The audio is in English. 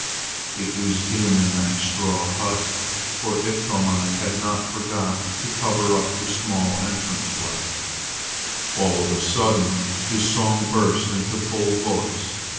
It was dim in that straw hut, for Iktomi had not forgot to cover up the small entrance way. All of a sudden his song burst into full voice.